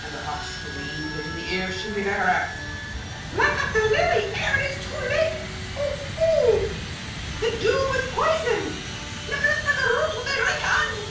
And the hawk screamed into the ear of Shibli Bagarag, 'Pluck up the Lily ere it is too late, O fool! the dew was poison! Pluck it by the root with thy right hand!'